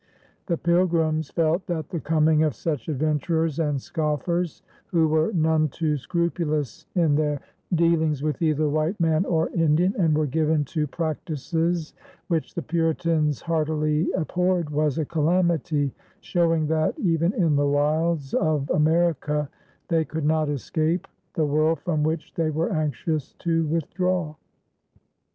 The Pilgrims felt that the coming of such adventurers and scoffers, who were none too scrupulous in their dealings with either white man or Indian and were given to practices which the Puritans heartily abhorred, was a calamity showing that even in the wilds of America they could not escape the world from which they were anxious to withdraw.